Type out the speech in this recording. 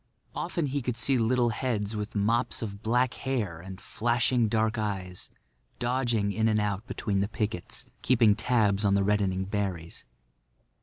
Often he could see little heads with mops of black hair and flashing dark eyes dodging in and out between the pickets, keeping tabs on the reddening berries.